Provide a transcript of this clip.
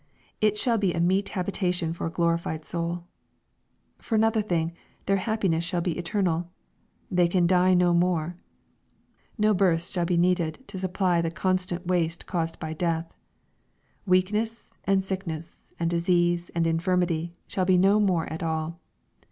It shall be a meet habitation for a glorified soul. For another thing, their happiness shall be eternal. " They can die no more." No births shall be needed, to supply the constant waste caused by death. Weak ness, and sickness, and disease, and infirmity, shall be no more at all.